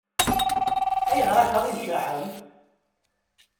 Ayɣer akka i tjaḥem?